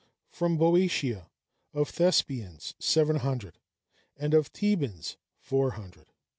From Boeotia, of Thespians seven hundred; and of Thebans, four hundred.